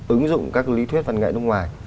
ứng dụng các lý thuyết văn nghệ nước ngoài